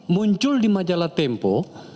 muncul di majalah tempo